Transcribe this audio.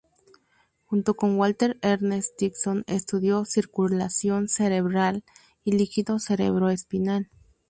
Junto con Walter Ernest Dixon estudió circulación cerebral y líquido cerebro-espinal.